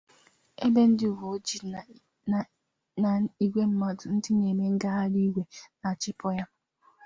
ebe ndị uwe ojii n’igwe mmadụ ndị na-eme ngagharị iwe na-achịpụ ya.